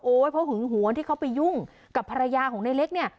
เพราะหึงหวงที่เขาไปยุ่งกับภรรยาของในเล็กเนี่ย